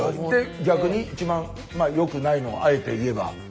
で逆にいちばんよくないのをあえて言えば？